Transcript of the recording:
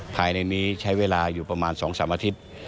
ภายในนี้ใช้เวลาอยู่ประมาณ๒๓อาทิตย์